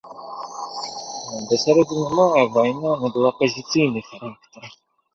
Да сярэдзіны мая вайна набыла пазіцыйны характар.